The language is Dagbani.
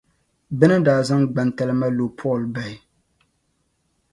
Bɛ ni daa zaŋ gbantalima lo Paul bahi.